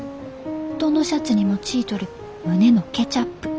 どのシャツにもちいとる胸のケチャップ。